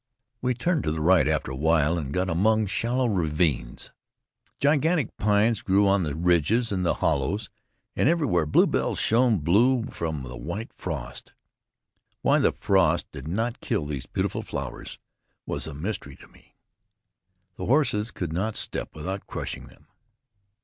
We turned to the right after a while and got among shallow ravines. Gigantic pines grew on the ridges and in the hollows, and everywhere bluebells shone blue from the white frost. Why the frost did not kill these beautiful flowers was a mystery to me. The horses could not step without crushing them.